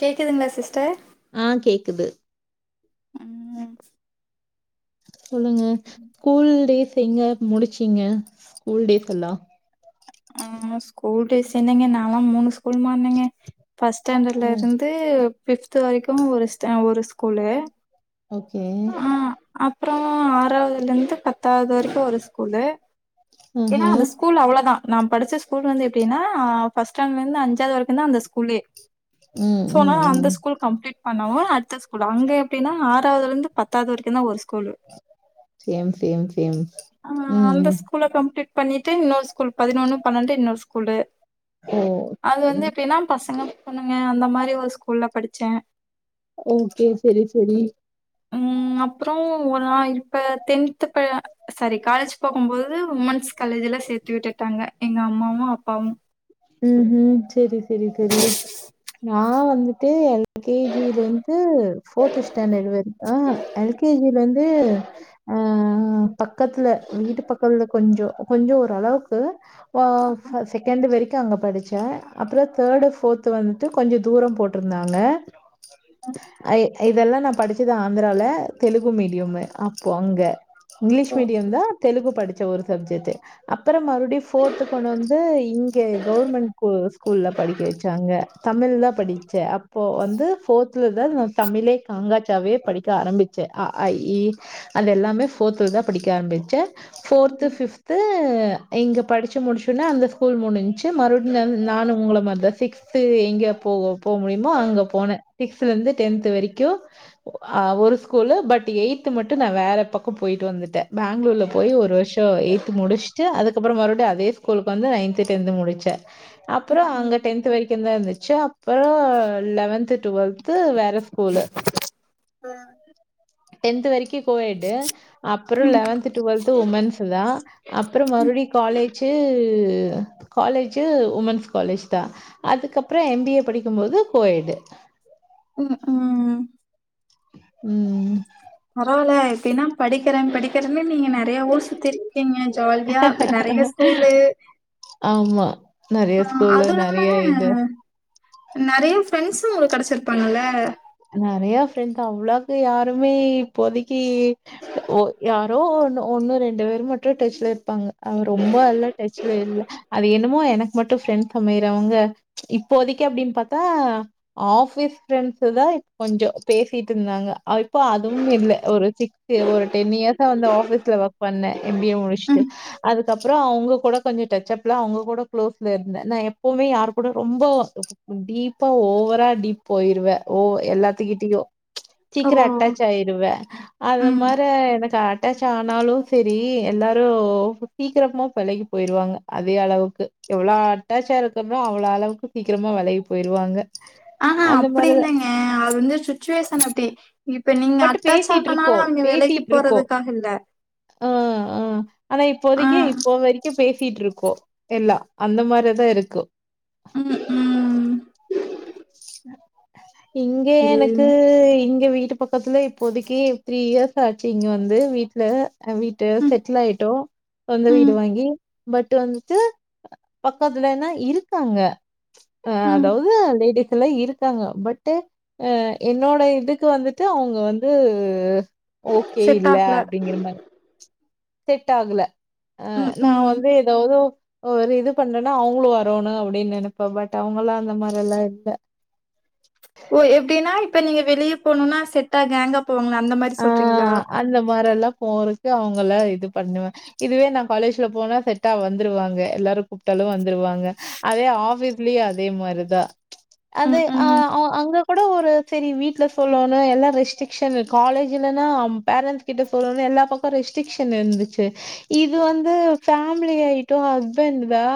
கேக்குதுங்ளா சிஸ்டர் ஆ கேக்குது ம் சொல்லுங்க ஸ்கூல் டேஸ் எங்க முடிச்சீங்க ஸ்கூல் டேஸ் எல்லா ஆ ஸ்கூல் டேஸ் என்னங்க நாலா மூணு ஸ்கூல் மாறுனெங்க ஃபஸ்ட் ஸ்டாண்டர்ட்ல ஓ இருந்து ஃபிஃப்து வரைக்கு ஒரு‌ ஸ்டே ஒரு ஸ்கூலு ஓகே அ அப்றோ ஆறாவ்துல இருந்து பத்தாவ்து வரைக்கு ஒரு ஸ்கூலு ஏனா ஆஹா அந்த ஸ்கூலு அவ்ளதா நா படிச்ச ஸ்கூல் வந்து எப்டின்னா ஃபஸ்ட் ஸ்டாண்டர்லருந்து அஞ்சாவ்து வரைக்கு தா அந்த ஸ்கூல்லே ம் சோ‌ ம் நா அந்த ம் ஸ்கூல் கம்ப்ளீட் பண்ணவு அடுத்த ஸ்கூல் அங்க எப்டின்னா ஆறாதுலருந்து பத்தாது வரைக்கு தா ஒரு school same same same ஆ ம் அந்த ம் ஸ்கூல கம் ப்ளீட் பண்ணிட்டு இன்னொரு ஸ்கூல் பதினொன்னு பன்னெண்டு இன்னொரு ஸ்கூலு ஓ அது வந்து எப்டின்னா பசங்க பொண்ணுங்க அந்த மாரி ஒரு ஸ்கூல்ல படிச்சே ஓகே செரி செரி ம் அப்றோ நா இப்ப டென்த்தப்ப சாரி காலேஜ் போகும்போது உமன்ஸ் காலேஜ்ல சேத்து விட்டுட்டாங்க எங்க அம்மாவு அப்பாவு ம் ம் செரி செரி செரி நா வந்துட்டு எல் கே ஜி யிலருந்து ஃபோர்த்து ஸ்டேண்டடு வரிக் ஆ ஆ எல் கே ஜி லருந்து அ பக்கத்துல வீட்டு பக்கத்துல கொஞ்சோ கொஞ்ச ஓரளவுக்கு இப்ப ப செகண்ட்டு வரிக் கு அங்க படிச்சே அப்றோ தேடு ஃபோர்து வந்துட்டு கொஞ்ச தூரோ போட்ருந்தாங்க அ இதெல்லா நா படிச்சது ஆந்திரால தெலுகு மீடியமு அப்போ அங்க இங்கிலீஷ் ஓ மீடியம் சரி தா தெலுகு படிச்சே ஒரு சப்ஜெட்டு அப்பறம் மறுபடியு ஃபோர்த்து கொண்டு வந்து இங் க கவர்மெண்ட் கூ ஸ்கூல்ல படிக்க வெச்சாங்க தமிழ் தா படிச்சே அப்போ வந்து ஃபோர்த் ஃபிஃப்த்துலதா நா தமிழே காங்காச்சாவே படிக்க ஆரம்பிச்ச அஆஇஈ அது எல்லாமே போர்த்துல தா படிக்க ஆரம்பிச்ச ஃபோர்த்து ம் ஃபிஃப்தது இங்க படிச்சு முடிச்சோன்னே அந்த ஸ்கூல் மூணு மறுபடியு ம் நானு உங்கள மாறி தா சிக்ஸ்து எங்க போக முடியுமோ அங்க போன்ன சிக்ஸது சிக்ஸ்த்துலேந்து டென்த் வரைக்கும் அவுரு ஸ்கூலு பட் எய்து மட்டு நா வேற பக்கம் போயிட்டு வந்துட்ட பேங்களூர்ல் போய் ஒரு வருஷ எயி்த் முடிச்சுட்டு அதுக்கப்பற மறுபடியு அதே ஸ்கூலுக்கு வந்து நைன்த் டென்த் முடிச்ச அப்பற அங்க டென்த் வரைக்கு தா இருந்துச்சா அப்பற லெவன்து டுவெல்து வேற ஸ்கூலு ம் டென்த் வரைக்கும் கோயடு அப்பற லெவன்த் டுவெல்து உமன்ஸ் தா அப்பற மறுபடியு காலேஜு காலேஜு உமன்ஸ் காலேஜ் தா அதுக்கப்பற எம்பிஏ படிக்கும் போது கோயடு ம் ம் ம் பரவாயில்ல எப்டின்னா படிக்கிற படிக்கறன்னு நீங்க நெறைய ஊர் சுத்தி இருக்கி ங்க ஜாலியா நெறைய ஸ்கூல்லு ஆமா நெறைய ஸ்கூல்லு அதுவு இல்லாம நெறைய இது நெறைய ஃப்ரெண்ட்ஸ்ம் உங்களுக்கு கிடைச்சிருப்பாங்கல்ல நெறையா ஃப்ரெண்ட் ஆ அவ்வளவுக்கு யாருமே இப்போதைக்கு ஓ யாரோ ஒன்னு ஒன்னு ரெண்டு பேரு மட்டும் டச்ல இருப்பாங்க அவர் ரொம்ப எல்லா டச்ல இல்ல அது என்னமோ எனக்கு மட்டு ஃப்ரெண்ட்ஸ் அமையறவங்க இப்போதைக்கு அப்டின்னு பாத்தா ஆஃபீஸ் ஃபிரெண்ட்ஸ் தா இப் கொஞ்சோ பேசிட்டு இருந்தாங்க இப்போ அதுவுமே இல்ல ஒரு சிக்ஸ் ஒரு டென் இயர்ஸ் ஆ வந்து ஆஃபீஸ்ல ஒர்க் பண்ண எம் பி ஏ முடிச்சிட்டு ம் அதுக்கப்பற அவங்க கூட கொஞ்ச டச் அப்ல அவங்க கூட கு்ளோஸ்ல இருந்த நா எப்பவமே யார் கூட ரொம்ப டீப்பா ஓவரா டீப் போயிருவ ஓவர் எல்லாத்துக்கிட்டயு ஓ சீக்கிர அட்டாச் ஆயிருவ அத ம் மாறி எனக்கு அட்டாச்ச ஆனாலு செரி எல்லாரு சீக்கிரமா பிழகி போயிடுவாங்க அதே அளவுக்கு எவ்ளோ அட்டாச்சு ஆனதுக்கு அப்பற அவ்வளோ அளவுக்கு சீக்கிரமா விலகி போய்டுவாங்க ஆஹ்ஹா அப்டி இல்லங்க அது வந்து சுச்சுவேஷன் அப்டி இப்ப நீங்க பட் அட்டாச் பேசிட்டு ஆகனால இருக்கோம். அவங்க விலக்கி பேசிட்டு இருக்கோம். போறதுக்காக இல்ல ஆ ஆ ஆனா ஆ இப்போதைக்கு இப்போ வரைக் பேசிட்டு இருக்கோ எல்லா அந்த மாறிதா இருக்கு ம் ம் இங்க இல்ல. எனக்கு இங்க வீட்டு பக்கத்துல இப்போதைக்குே த்ரீ இயர்ஸ் ஆச்சு இங்க வந்து வீட்டுல வீட்டு ம் செட்டில் ஆயிட்டோ சொந்த வீடு ம் வாங்கி பட் வந்துட்டு பக்கத்துலனா இருக்காங்க அ ம். அதாவது லேடிஸ் எல்லா இருக்காங்க பட்டு அ என்னோட இதுக்கு வந்துட்டு அவங்க வந்து ஓக் கே செட் இல்ல ஆகல. அப்டிங்கிற மாறி செட் ஆகுல அஹ் ம் நா ம். வந்து ஏதாவதோ ஒரு இது பண்றேன்னா அவங்களு வரனு அப்டின்னு நினைப்ப பட் அவங்க எல்லா அந்த மாறி எல்லா இல்ல ஓ எப்டின்னா இப்போ நீ வெளிய போன்னுனா செட்டா கேங்கா போவாங்கள அந்த மாறி ஆ சொல்றீங்களா அந்த மாரில்லா போறக்கு அவங்கள இது பண்ணுவே இதுவே நான் காலேஜ்ல போனா செட்டா வந்துருவாங்க எல்லாரூ கூப்பிட்டாலூ வந்துருவாங்க அதே ஆபீஸ்லயூ அதே மாரிதா அது ம் ம். அஹ் அவங் அங்க கூட ஒரு சரி வீடல சொல்லோனோ எல்லா ரெஸ்ட்ரிக்ஷன் இருக் காலேஜிலன்னா பேரண்ட்ஸ் கிட்ட சொல்லணன்னா எல்லா பக்கம் ரெஸ்ட்ரிக்ஷன் இருந்துச்சு இது வந்து ஃபேமிலி ஆயிட்டோ ஹஸ்பண்ட் தா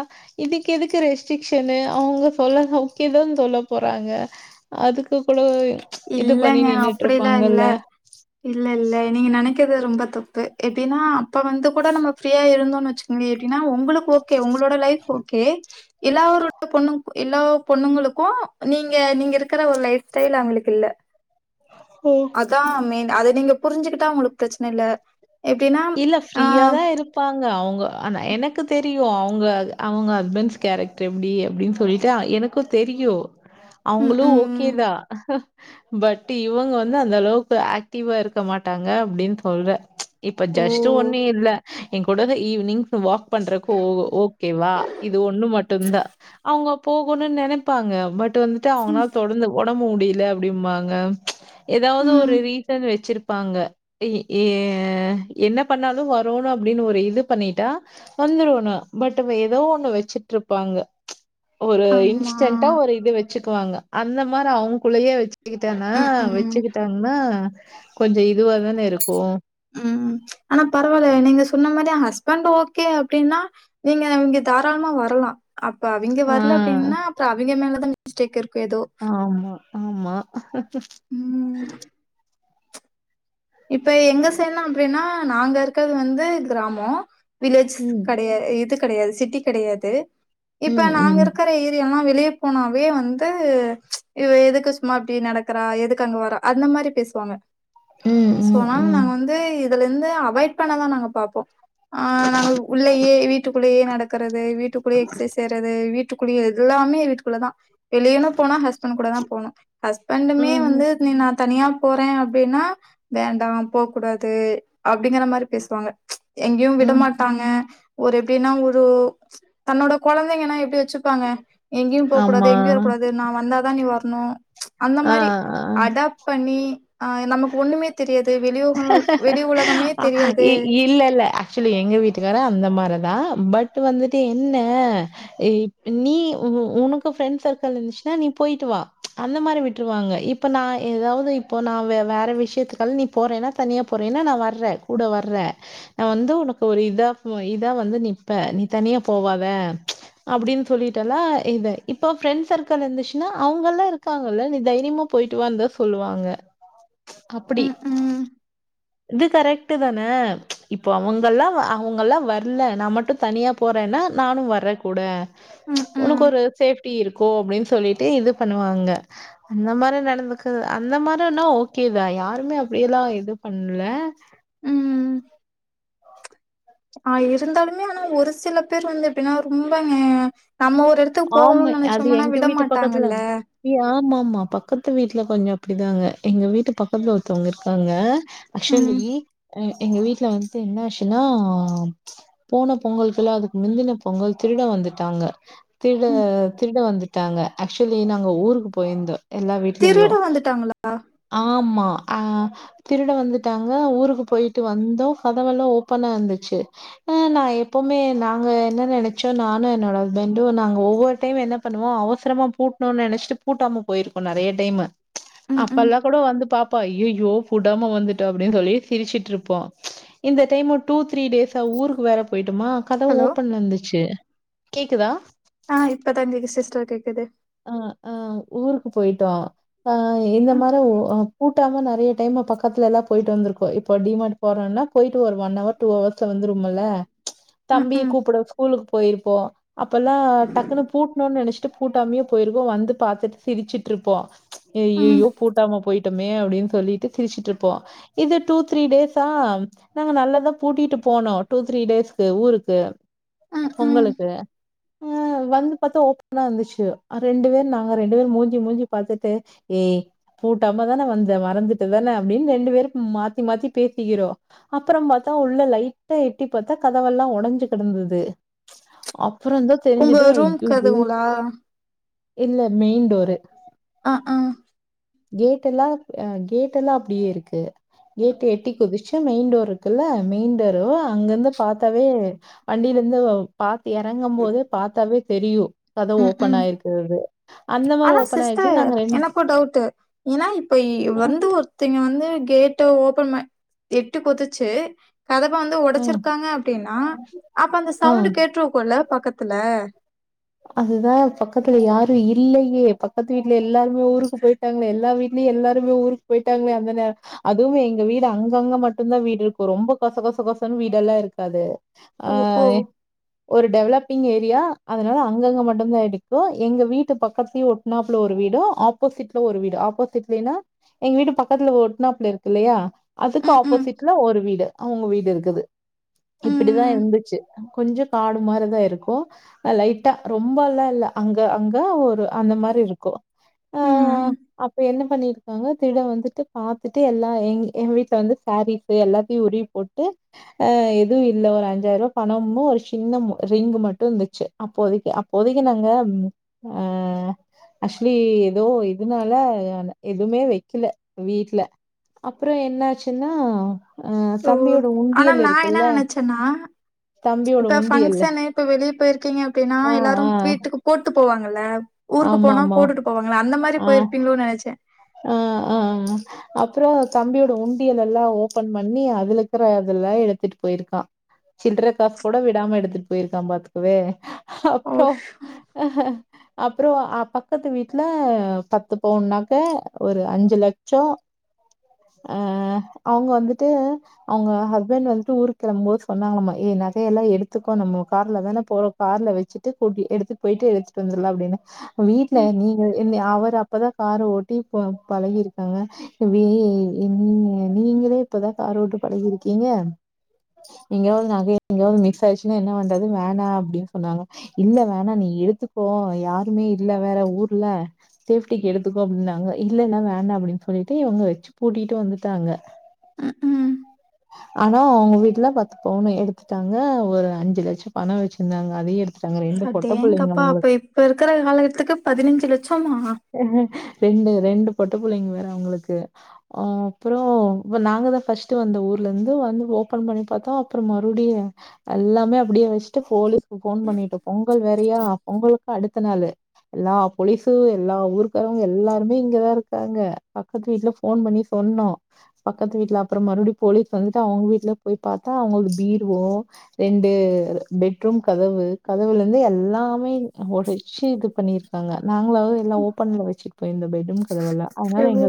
இதுக்கு எதுக்கு ரெஸ்ட்ரிக்ஷனு அவங்க சொல்ல தா ஓகே தா சொல்ல போறாங்க அதுக்குக் கூட இது பண்ணி இல்லங்க நின்னுட்டு அப்படிலா இல்ல இருப்பாங்கல்ல. இல்ல இல்ல நீங்க நெனைக்கர்த் ரொம்ப தப்பு எப்பிடினா அப்ப வந்து கூட நம்ம ஃபிரீயா இருந்தோ வச்சுக்கோங்க எப்பிடினா உங்களுக்கு ஓக் கே உங்களோட லைஃப் ஓகே எல்லாரூ பொண்ணுங் எல்லா பொண்ணுங்களுக்கூ நீங்க நீங்க இருக்கிற ஒரு லைஃப் ஸ்டைல் அவங்களுக்கு இல்ல ஹூங் அதா மெயின் அத நீங்க புரிஞ்சுகிட்டா உங்களுக்கு பிரச்சன இல்ல எப்படின்னாப் இல்ல ஃப்ரீயா ஆஹ் தான் இருப்பாங்க அவங்க ஆனா எனக்கூ தெரியூ அவூங்க அவங்க ஹஸ்பண்ட்ஸ் கேரக்டர் எப்டி அப்டின்னு சொல்லிட்டு எனக் குத் தெரியூ உம் அவங்களூ ஓகே உம் தா பட் இவங்க வந்து அந்த அளவுக்கு ஆக்டிவா இருக்க மாட்டாங்க அப்டின்னு சொல்றோ இப்ப ஓ ஜஸ்ட் ஒன்னூ இல்ல எங் கூடாத ஈவி்னிங் வாக் பண்றக்கு ஓ ஓகேவா இது ஒண்ணூ மட்டுந் தா அவுங்க போகணுன்னு நினைப்பாங்க பட் ட்டு வந்துட்டு உம் அவங்கனால தொடர்ந்து ஒடம்பு முடியல அப்பிடிம்பாங்க ஏதாவது உம் ஒரு ரீசன் வச்சிருப்பாங்க இஹ் ஏ என்ன பண்ணாலூ வரூன் அப்டி ஒரு இது பண்ணிட்டா வந்துருவ்ன்னும் பட் இவ ஏதோ ஒண்ணு வெச்சுட் இருப்பாங்க ஒரு ஆமா இன்ஸ்டன்டா ஒரு இது வச்சுக்குவாங்க அந்த மாரி அவுங்குள்ளயே வெச் இதன உம் உம் வச்சுக்கிட்டாங்ன்னா கொஞ்சோ இதுவா தானே இருக்கூ ம் ஆனா பரவாயில்ல நீங்க சொன்ன மாரி ஹஸ்பண்ட் ஓகே அப்டின்னா நீங்க இங்க தாராளமா வரலா அப்ப அவிங்க ஆ வரல அப்டின்னா அப்புறம் அவிங்க மேலதா மிஸ்டேக் இருக்கூ ஏதோ ஆமா ஆமா ம் இப்ப எங்க செய்ட்லா அப்டின்னா நாங்க இருக்கிறது வந்து கிராமோ வில்லேஜ் ம் கொடயா இது கொடையாது சிட்டி கொடையாது இப்ப ம் நாங்க ம் இருக்கிற ஏரியலா வெளியப் போனாவே வந்து இவ எதுக்கு சும்மா இப்யேடி நடக்கறா எதுக்கு அங்க வரா அந்த மேரி பேசுவாங்க ம் சோ ம் அத்னால ம் நாங்க வந்து இதுல இருந்து அவாய்ட் பண்ண தா நாங்க பாப்போ ஆ நாங்க உள்ளயே வீட்டுக்குள்ளேயே நடக்கறது வீட்டுக்குள்ளேயே எக்சசைஸ் செய்யறது வீட் ட்டுக்குளள்ளியே எல்லாமே வீட்டுக்குள்ள தா வெளியனா போனா ஹஸ்பண்ட் கூட தா போனோ ஹஸ்பண்டுமே வந்து ம் நீ தனியா போறே அப்டின்னா வேண்டா போவ்க் கூடாது அப்டிங்கற மாரி பேசுவாங்க எங்கேயூ விட ம் மாட்டாங்க ஒரு எப்டின்னா ஒரு தன்னோட குழந்தைங்கன்னா எப்டி வெச்சுப்பாங்க எங்கேயூ போவ்க் கூடாது ஆமா எங்கேயூ வரக்கூடாது நா வந்தா தா நீ வரணூ அந்த ஆ மாதிரி ஆ அடாப் ட் பண்ணி ஆ நமக்கு ஒண்ணுமே தெரியாது வெளியோ ஆ இ இல்லில்ல ஆக்சுவ்லி எங்க வீட்டுக்காரோ அந்த மாரி தா பட்டு வந்துட்டு என்ன நீ உ உனக்கு ஃப்ரெண்ட்ஸ் சர்க்கள் இருந்ச்சுன்னா நீ போயிட்டு வா அந்த மாரி விட்ருவாங்க இப் இப்ப நா எதாவ்து இப்போ நா வேற விஷயத்துக்கள் நீ போறன்னா தனியா போறேன்னா நா வர்றே கூட வர்றே நா வந்து உனக்கு ஒரு இதா இதா வந்து நிப்ப நீ தனியா போவாத அப்டின் சொல்லிட்டல்லா இத இப்ப ப்ரெண்ட் சர்க்கிள் இருந்துச்சுன்னா அவங்கல்லா இருக்காங்கல்ல நீ தைரியமா போயிட்டு வான்தா சொல்லுவாங்க அப்பிடி ம் ம் இது கரெக்ட்டு தானே இப்ப அவங்கல்லா அவங்கல்லா வர்ல நா மட்டும் தனியா போறேன்னா நானும் வர்ற கூட ம் உனக்கு ம் ஒரு சேஃப்டி இருக்கும் அப்டின் சொல்லிட் டு இது பண்ணுவாங்க அந்த மாரி நடந்துக்கு அந்த மாரினா ஓகேதா யாருமே அப்டியெல்லா எது பண்ல ம் ம் ஆ இருந்தாலுமே ஆனா ஒரு சில பேர் வந்து எப்டின்னா ரொம்பமே நம்ம ஒரு எடத்துக்கு ஆமா போகணு அது நெனச்சோம்னா எங்க விட வீட்டு பக்கத்துல மாட்டாங்கள்ல ஆமா ஆமா பக்கத்து வீட்ல கொஞ்சம் அப்படிதாங்க எங்க வீட்டு பக்கத்துல ஒருத்தவங்க இருக்காங்க ம் ஆக்சுவ்லி எங்க வீட்ல வந்து என்ன ஆச்சுன்னா போன பொங்கலுக்குல்ல அதுக்கு முந்துன பொங்கல் திருட வந்துட்டாங்க திருட ம் திருட வந்துட்டாங்க ஆக்சுவ்லி நாங்க ஊருக்கு போயிருந்தோ எல்லா வீட் திருட வந்துட்டாங்களா ஆமா ஆ திருட வந்துட்டாங்க ஊருக்கு போயிட்டு வந்தோ கதவெல்லா ஓப்பனா இருந்துச்சு அ நா எப்பவுமே நாங்க என்ன நெனச்சோ நானும் என்னோட ஹஸ்பண்ட் டு நாங்க ஒவ்வொரு டைம் என்ன பண்ணுவோம் அவசரமா பூட்னோ நெனச்சிட்டு பூட்டாம போயிருக்கோம் நெறைய டைம்மு ம் ம் அப்பல்லா கூட வந்து பாப்போ ஐயோ புடாம வந்துட்டோ அப்டின் சொல்லி சிரிச்சிட்ருப்போம் இந்த டைம்மு டூ த்ரீ டேஸ் ஊருக்கு வேற போய்ட்டோமா கதவு ஹலோ ஓப்பன்ல இருந்துச்சு கேக்குதா ஆ இப்பத்தா இந்துது சிஸ்டர் கேக்குது அ அ ஊருக்கு போயிட்டோ ஆ இந்த ம் மாரி பூட்டாம நெறைய டைம்மு பக்கத்துல எல்லா போயிட்டு வந்திருக்கோ இப்ப டிமார் போறதுனா போயிட்டு ஒரு ஒன் ஹவர் டூ ஹவர்ஸ்ல வந்துருவிங்கள ம் தம்பி ம் கூப்பட ஸ்கூலுக்கு போயிருப்போம் அப்பல்லா டக்குனு பூட்ணு நெனச் சு பூட்டாமலே போயிருவோம் வந்து பாத்துட்டு சிரிச்சிட்ருப்போ ம் ஐய்யய்யோ பூட்டாம போயிட்டோமே அப்டின் சொல்லிட்டு சிரிச்சிட்ருப்போ இது டூ த்ரீ டேஸ்சா நாங்க நல்லாதா பூட்டிட்டு போனோ டூ த்ரீ டேஸ்க்கு ஊருக்கு ம் ம் பொங்கலுக்கு ஆ வந்து பாத்தா ஓப்பனா இருந்துச்சு ரெண்டு பேரும் நாங்க ரெண்டு பேரும் மூஞ்சி மூஞ்சி பாத்துட்டு ஏ பூட்டாம தான வந்த மறந்துட்டுதான அப்டின் ரெண்டு பேரும் மாத்தி மாத்தி பேசிக்கிறோ அப்பறம் பாத்தா உள்ள லைட்டா எட்டி பாத்தா கதவெல்லா ஒடஞ்சு கெடந்தது அப்புறம் தா தெரிஞ்சிது ஐய்யய்யோ ஆ இல்ல மெயின் டோரு அ அ கேட்டெல்லா கேட் எல்லா அப்டியே இருக்கு ஏட்டு எட்டி குதிச்சு மெயின்டோர் இருக்குல்ல மெயின்டோரு அங்கருந்து பாத்தாவே வண்டியில இருந்து பாத்து எறங்கும் போது பாத்தாவே தெரியு கதவு ம் ஓபன் ம் ஆயிருக்கறது ஆனா சிஸ்டர் எனக்கு டவுட்டு ஏனா இப்ப ய் வந்து ஒரு த்தைங்க வந்து கேட்ட ஓபன் ப எட்டு ஒதச்சு கதவ வந்து ம் ஒடைச்சிருக்காங்க அப்டின்னா அப்ப அந்த ஆ சவுண்ட் கேட்டுருக்குல்ல பக்கத்துல அதுதா பக்கத்துல யாரு இல்லையே பக்கத்து வீட்ல எல்லாருமே ஊருக்கு போயி ட்டாங்களே எல்லா வீட்டுலயு எல்லாருமே ஊருக்கு போயிட்டாங்க அந்த நேர அதுவு எங்க வீடு அங்கங்க மட்டுந்தா வீடு இருக்கு ரொம்ப கொச கொச கொசன்னு வீடெல்லா இருக்காது ஆ ஓ ஓ ஒரு டெவலப்பிங் ஏரியா அ அதனால அங்கங்க மட்டுந்தா இடிக்கு எங்க வீட்டு பக்கத்தையு ஒட்னாப்ல ஒரு வீடு ஆப் ஆப்போசிட்ல ஒரு வீடு ஆப்போசிட்லினா எங்க வீடு பக்கத்துல ஒட்னாப்ல இருக்கு இல்லையா அதுக்கு ம் ம் ஆப்போசிட் ல்ல ஒரு வீடு அவுங்க வீடு இருக்குது இப்பிடிதா ம் இருந்துச்சு கொஞ்சோ காடு மாரிதா இருக்கு அ லைட்டா ரொம்பலா இல்ல அங்க அங்க ஒரு அந்த மாரி இருக்கு ஆ ம் ம். அப்ப என்ன பண்ணிருக் காங்க திருட வந்துட்டு பாத்துட்டு எல்லா எங் எங்க வீட்ல வந்து சாரீஸு எல்லாத்தயு உருவி போட்டு ஆ எது இல்ல ஒரு அஞ்சாயிரூவா பணமு ஒரு ஷின்ன மொ ரிங்கு மட்டு இருந்துச்சு அப்போதக்கி அப்போதக்கி நாங்க ஆ ஆக்ஷலி ஏதோ இதனால எதுமே வெக்கல வீட்ல அப்றோ என்னாச்சுன்னா அ தம்பியோட உண்டியல் இருக்குல்ல துனா தம்பியோட இப்ப உண்டியல்ல ஃபங்ஷனு இப்ப வெளிய போயிருக்கீங்க அப்டினா ஆ, எல்லாரு ஆ. வீட்டுக்கு போட்டு போவாங்கல ஊருக்கு போனா ஆமாமா. போட்டுட்டு போவாங்கல அந்த மாரி ஆ, போயிருப்பீங்ளோனு நெனச்ச ஆ ஆ அப்பறோ தம்பியோட உண்டியலல்லா ஓபன் பண்ணி அதுலருக்ற அதல்லா எடுத்ட்டு போயிருக்கா சில்ற காசு கூட விடாம எடுத்ட்டு போயிர்க்கா பாத்துக்கவே ஓ அப்பா அப்றோ அ பக்கத்து வீட்ல பத்து பவுன் நக ஒரு அஞ்சு லட்சோ அ அவுங்க வந்துட்டு அவுங்க ஹஸ்பண்ட் வந்துட்டு ஊரு கெளம்போது சொன்னாங்களாமா ஏ நக எல்லா எடுத்துக்கோ நம்மோ கார்லதான போறோ கார்ல வச்சிட்டு கூட்டி எடுத்துட்டு போய்ட்டு எடுத்துட்டு வந்தட்லா அப்டின்னு வீட்ல ம் நீங்க என் அவரு அப்பதா கார ஓட்டி ந பழகிருக்காங்க வே நீங்க நீங்களே இப்பதா காரோட்ட பழகிருக்கீங்க எங்காயது நக எங்காது மிக்ஸ் ஆய்ச்சுன்னா என்ன பண்றது வேணா அப்டினு சொன்னாங்கலா இல்ல வேணா நீ எடுத்துக்கோ யாருமே இல்ல வேற ஊர்ல சேஃப்ட்டிக்கு எடுத்துக்கோ அப்டினா ன்னாங்க இல்ல இல்ல வேண்டா அப்டின்னு சொல்லிட்டு இவுங்க வச்சு பூட்டிட்டு வந்துட்டாங்க ம் ம் ஆனா அவுங்க வீட்ல பத்து பவுனு எடுத்துட்டாங்க ஒரு அஞ்சு லட்சோ பணம் வச்சிர்ந்தாங்க அதயு எடுத் அடேங்கப்பா அப்ப இப்ப இருக்ற காலகத்துக்கு பதினஞ்சி லட்சமா ரெண்டு ரெண்டு பொட்ட புள்ளைங்க வேற அவுங்ளுக்கு அ அப்றோ நாங்கதா ஃபஷ்ட்டு வந்த ஊர் லந்து வந்து ஓபன் பண்ணி பாத்த அப்றோ மறுபுடியு அல்லாமே அப்டியே வச்சுட்டு போலீஸ்க்கு ஃபோன் பண்ணிட்டோ பொங்கல் வேறையா பொங்கலுக்கு அடுத்த நாளு எல்லா போலீஸு எல்லா ஊர்க்காரங்க எல்லாருமே இங்கதா இருக்காங்க பக்கத்து வீட்ல ஃபோன் பண்ணி சொன்னோ பக்கத்து வீட்ல அப்றோ மறுபுடி போலீஸ் வந்துட்டு அவுங்க வீட்ல போய் பாத்தா அவுங்ளுது பீரோ ரெண்டு பெட்ரூம் கதவு கதவுலந்து எல்லாமே ஒடச்சி இது பண்ணிருக் த்தாங்க நாங்களாவது எல்லா ஓப்பன்ல வச்சிட்டு போயிருந்தோ பெட்ரூம் கதவல்லா அதனால எவ்ளோ எங்க